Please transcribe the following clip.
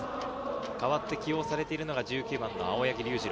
代わって起用されているのが１９番の青柳龍次郎。